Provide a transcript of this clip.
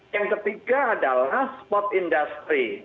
yang ketiga adalah spot industry